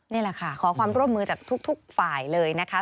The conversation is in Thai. นี่แหละค่ะขอความร่วมมือจากทุกฝ่ายเลยนะคะ